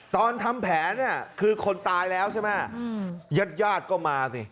ตอนทำแผนเนี่ยคือคนตายแล้วใช่ไหมญาติญาติก็มาสิ